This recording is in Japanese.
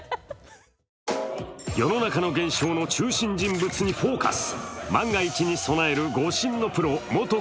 世の中の現象の中心人物に「ＦＯＣＵＳ」。